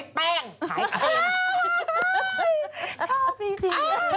ชอบดิจริง